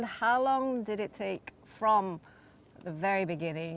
dan itu yang dilakukan oleh pembangunan